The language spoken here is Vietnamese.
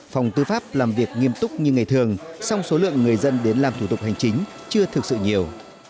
phòng tư pháp làm việc nghiêm túc như ngày thường song số lượng người dân đến làm thủ tục hành chính chưa thực sự nhiều